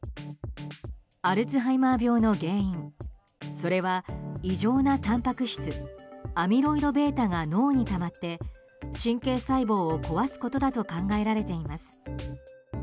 それは、異常なたんぱく質アミロイドベータが脳にたまって神経細胞を壊すことだと考えられています。